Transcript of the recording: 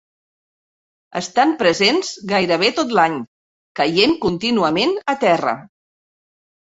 Estan presents gairebé tot l'any, caient contínuament a terra.